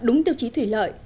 đúng điều trí thủy lợi